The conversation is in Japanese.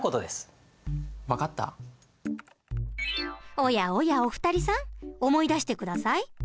おやおやお二人さん思い出して下さい。